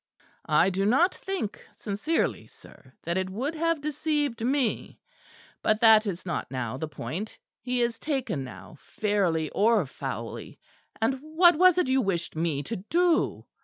I do not think sincerely, sir, that it would have deceived me. But that is not now the point. He is taken now, fairly or foully, and what was it you wished me to do?"